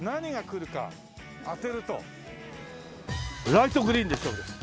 ライトグリーンで勝負です。